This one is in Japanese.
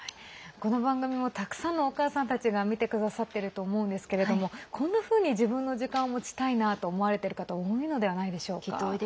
この番組もたくさんのお母さんたちが見てくださっていると思うんですけれどもこんなふうに自分の時間を持ちたいなと思われている方多いのではないでしょうか。